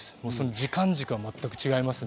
時間軸が全く違います。